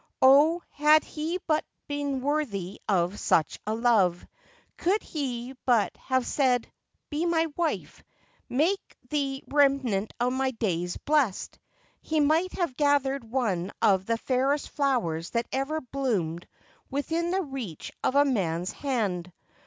Oh, had he but been worthy of such a love, could he but have said, ' Be my wife, make the rem nant of my days blessed,' he might have gathered one of the fairest flowers that ever bloomed within the reach of a man's hand.